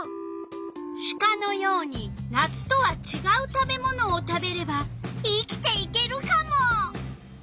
シカのように夏とはちがう食べ物を食べれば生きていけるカモ。